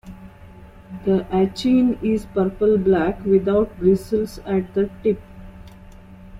The achene is purple black, without bristles at the tip.